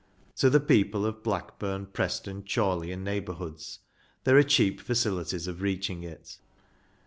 To the people of Blackburn, Preston, Chorley, and neighbour hoods, there are cheap facilities of reaching it.